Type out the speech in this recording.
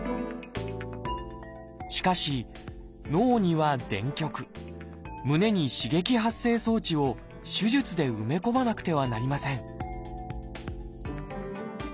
しかし脳には電極胸に刺激発生装置を手術で埋め込まなくてはなりません